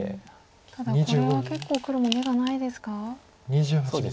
ただこれは結構黒も眼がないですか？